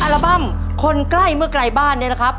อาราบัมคนใกล้เมื่อกลายบ้านเนี่ยล่ะครับ